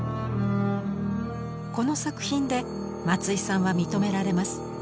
この作品で松井さんは認められます。